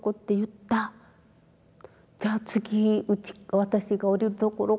じゃ次私が降りるところかな。